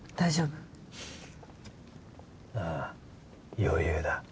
ああ余裕だ。